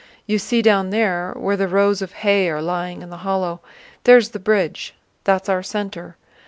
You see down there where the rows of hay are lying in the hollow, there's the bridge. That's our center.